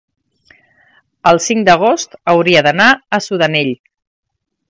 el cinc d'agost hauria d'anar a Sudanell.